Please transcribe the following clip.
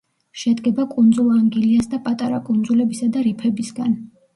შედგება კუნძულ ანგილიას და პატარა კუნძულებისა და რიფებისგან.